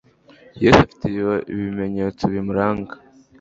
yesu afite ibimenyetsobimuranga